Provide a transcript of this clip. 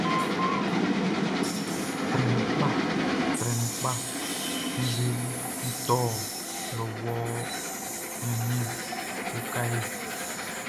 Trɛ nu pka trɛ nu pka nʼzue nʼtôlô yôhô, gnamien o kahé.